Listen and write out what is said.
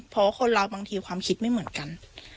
เพราะคนเราบางทีความคิดไม่เหมือนกัน